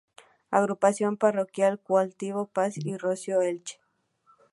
Agrupación Parroquial Cautivo, Paz y Rocío, Elche.